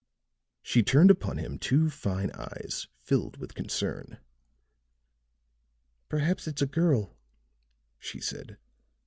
She turned upon him two fine eyes filled with concern. "Perhaps it's a girl," she said.